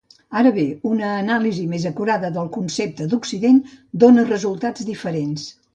Ara bé, una anàlisi més acurada del concepte d'Occident dóna resultats diferents.